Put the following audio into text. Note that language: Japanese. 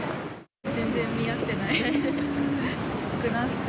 全然見合ってない。